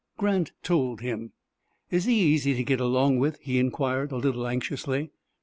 Grant told him. "Is he easy to get along with?" he inquired, a little anxiously.